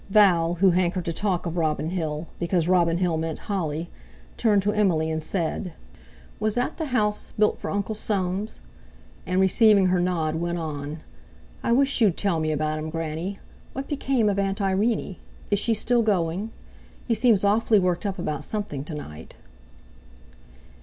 Val, who hankered to talk of Robin Hill, because Robin Hill meant Holly, turned to Emily and said: "Was that the house built for Uncle Soames?" And, receiving her nod, went on: "I wish you'd tell me about him, Granny. What became of Aunt Irene? Is she still going? He seems awfully worked up about something to night."